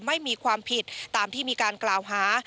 ไม่มีความผิดตามที่มีการกล่าวหา